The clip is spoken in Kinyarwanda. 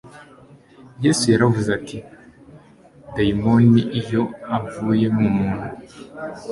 Yesu yaravuze ati: «Dayimoni iyo avuye mu muntu,